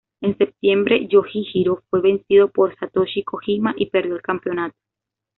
En septiembre, Yoshihiro fue vencido por Satoshi Kojima y perdió el campeonato.